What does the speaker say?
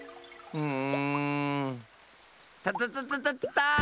うん。